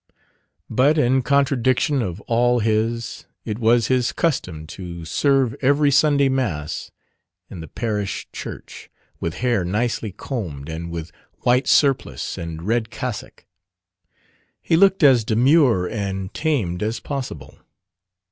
But in contradiction of all his, it was his custom to serve every Sunday Mass in the parish church, with hair nicely combed and with white surplice and red cassock. He looked as demure and tamed as possible.